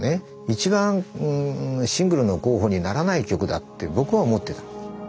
一番シングルの候補にならない曲だって僕は思ってた。